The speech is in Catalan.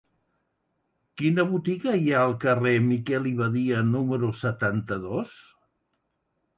Quina botiga hi ha al carrer de Miquel i Badia número setanta-dos?